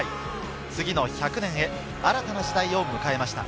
次の１００年へ、新たな時代を迎えました。